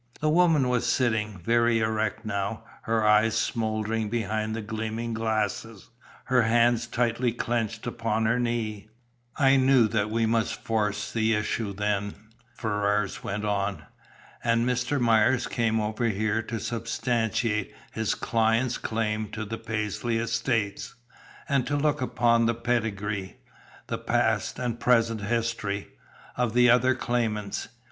The woman was sitting very erect now, her eyes smouldering behind the gleaming glasses, her hands tightly clinched upon her knee. "I knew that we must force the issue, then," Ferrars went on. "And Mr. Myers came over here to substantiate his client's claim to the Paisley estates, and to look up the pedigree, the past and present history, of the other claimants.